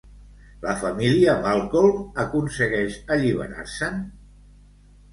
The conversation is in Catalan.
La família Malcolm aconsegueix alliberar-se'n?